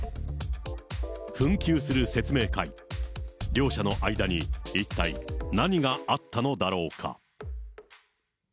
紛糾する説明会。両者の間に一体、何があったのだろうか。